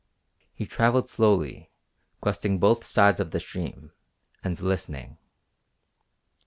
He travelled slowly, questing both sides of the stream, and listening.